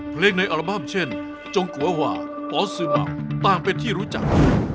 เพลงในอัลบั้มเช่นจงกัวว่าปอสซึมักต่างเป็นที่รู้จัก